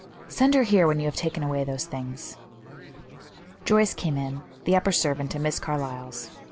"Send her here when you have taken away those things." Joyce came in the upper servant at Miss Carlyle's.